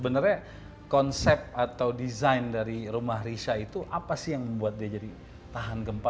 sebenarnya konsep atau desain dari rumah risha itu apa sih yang membuat dia jadi tahan gempa